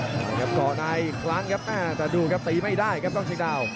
ก้องเชียงดาวก่อนไหนอีกครั้งครับแต่ดูครับตีไม่ได้ครับก้องเชียงดาว